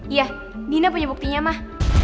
iya dina punya buktinya mah